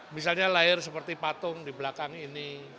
misalnya lahir seperti patung di belakang ini